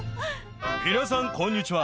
皆さん、こんにちは。